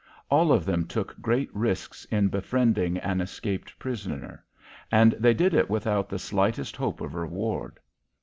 All of them took great risks in befriending an escaped prisoner, and they did it without the slightest hope of reward.